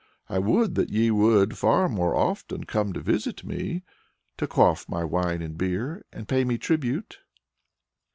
I would that ye would far more often come to visit me! to quaff my wine and beer, and pay me tribute!"